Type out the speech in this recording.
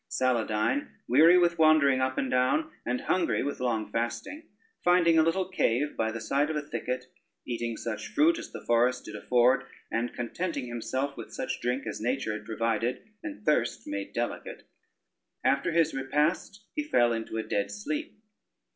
Saladyne, weary with wandering up and down and hungry with long fasting, finding a little cave by the side of a thicket, eating such fruit as the forest did afford and contenting himself with such drink as nature had provided and thirst made delicate, after his repast he fell in a dead sleep.